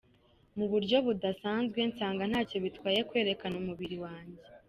Mu buryo busanzwe, nsanga ntacyo bitwaye kwerekana umubiri wanjye.